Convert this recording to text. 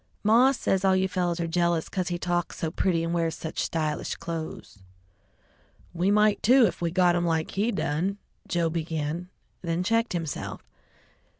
"Maw says all you fellows are jealous 'cause he talks so pretty and wears such stylish clothes." "We might, too, if we got 'em like he done," Joe began, then checked himself.